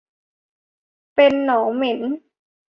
เป็นหนองเหม็น